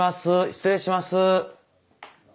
失礼します。